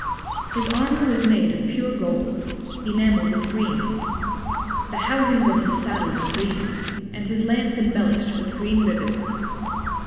His Armour was made of pure Gold, enamell'd with Green. The Housings of his Saddle were green, and his Lance embellish'd with green Ribbands.